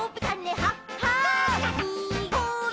はい。